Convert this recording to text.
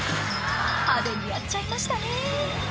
派手にやっちゃいましたね